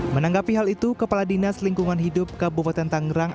menanggapi hal itu kepala dinas lingkungan hidup kabupaten tangerang